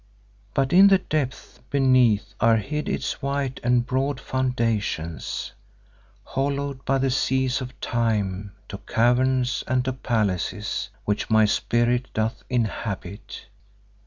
But in the depths beneath are hid its white and broad foundations, hollowed by the seas of time to caverns and to palaces which my spirit doth inhabit.